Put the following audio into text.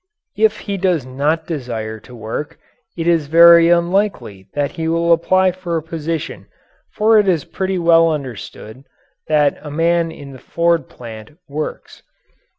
If he does not desire to work, it is very unlikely that he will apply for a position, for it is pretty well understood that a man in the Ford plant works.